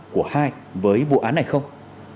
của hai với vụ án này không